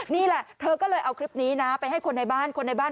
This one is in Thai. นี่ล่ะเธอก็เลยเอาคลิปนี้ไปให้คนในบ้าน